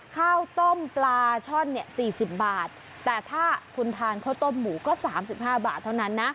ข้าวต้มปลาช่อนเนี่ย๔๐บาทแต่ถ้าคุณทานข้าวต้มหมูก็๓๕บาทเท่านั้นนะ